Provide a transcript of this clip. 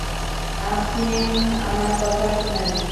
আপনি আমার কথা শোনেন!